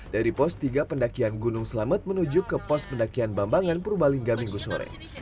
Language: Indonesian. dari pos tiga pendakian gunung selamet menuju ke pos pendakian bambangan purbalingga minggu sore